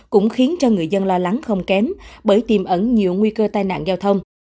cũng khiến cho người dân lo lắng không kém bởi tiềm ẩn nhiều nguy cơ tai nạn giao thông